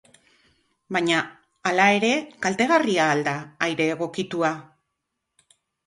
Baina, hala ere, kaltegarria al da aire egokitua?